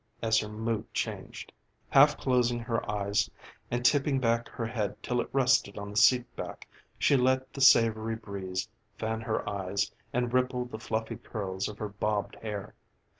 as her mood changed. Half closing her eyes and tipping back her head till it rested on the seat back she let the savory breeze fan her eyes and ripple the fluffy curls of her bobbed hair.